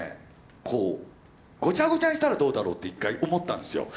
こうごちゃごちゃにしたらどうだろうって一回思ったんですよ。